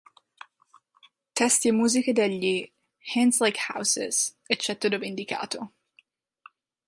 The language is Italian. Testi e musiche degli Hands Like Houses, eccetto dove indicato.